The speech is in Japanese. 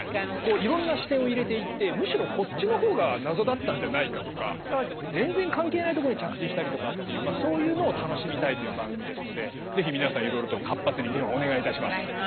いろんな視点を入れていってむしろこっちの方が謎だったんじゃないかとか全然関係ないところに着地したりとかっていうそういうのを楽しみたいという番組ですので是非皆さんいろいろと活発に議論をお願いいたします。